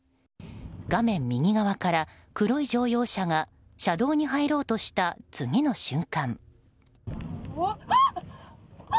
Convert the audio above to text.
画面右側から黒い乗用車が車道に入ろうとした次の瞬間。